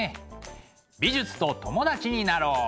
美術と友達になろう！